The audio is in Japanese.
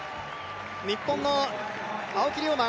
日本の青木涼真